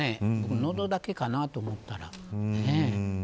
喉だけかなと思ったら。